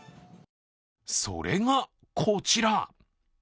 それが、こちら。